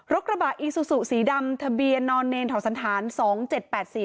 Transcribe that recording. กระบะอีซูซูสีดำทะเบียนนอนเนรเถาสันธารสองเจ็ดแปดสี่